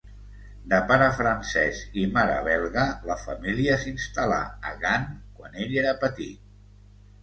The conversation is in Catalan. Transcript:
De pare francès i mare belga, la família s'instal·là a Gant quan ell era petit.